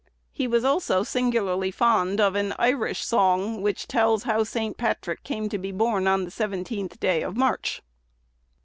He was also singularly fond of an Irish song, "which tells how St. Patrick came to be born on the 17th day of March."